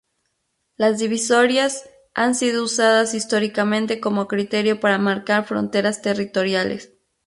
Las divisorias han sido usadas históricamente como criterio para marcar fronteras territoriales.